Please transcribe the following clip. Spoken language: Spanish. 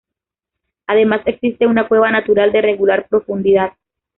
Además, existe una cueva natural de regular profundidad.